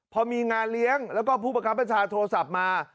พอมีงานเลี้ยงแล้วก็ผู้ประคับบัญชาโทรศัพท์มา